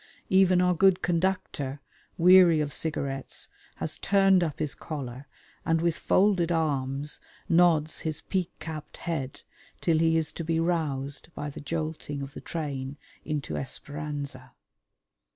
Even our good conductor, weary of cigarettes, has turned up his collar, and with folded arms nods his peak capped head till he is to be roused by the jolting of the train into Esperanza.